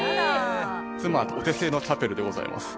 妻お手製のチャペルでございます。